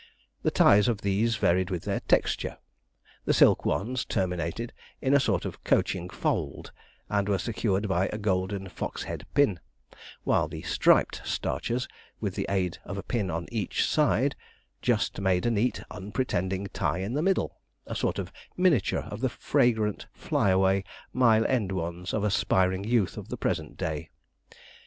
The ties of these varied with their texture. The silk ones terminated in a sort of coaching fold, and were secured by a golden fox head pin, while the striped starchers, with the aid of a pin on each side, just made a neat, unpretending tie in the middle, a sort of miniature of the flagrant, flyaway, Mile End ones of aspiring youth of the present day.